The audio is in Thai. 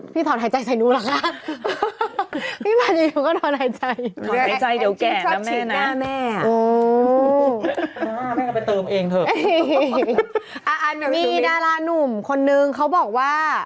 ผู้หญิงพี่ถอนหายใจใส่นู้นรึคะ